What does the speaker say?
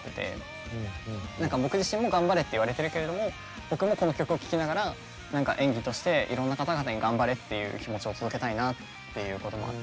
何か僕自身も頑張れって言われてるけれども僕もこの曲を聴きながら演技としていろんな方々に頑張れっていう気持ちを届けたいなっていうこともあって。